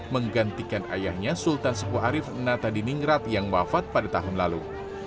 menggantikan ayahnya sultan sepuharif natadiningrat yang wafat pada tahun lalu